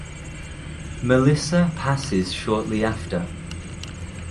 Melissa passes shortly after.